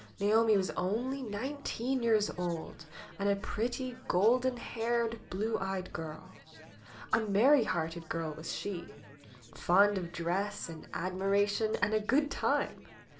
Naomi was only nineteen years old and a pretty, 61 62 NAOMI'S WEDDING BELLS golden haired, blue eyed girl. A merry hearted girl was she, fond of dress, and admiration, and a good time.